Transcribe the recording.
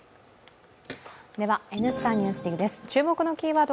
「Ｎスタ・ＮＥＷＳＤＩＧ」です。